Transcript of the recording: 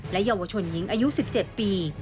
เยาวชนหญิงอายุ๑๗ปี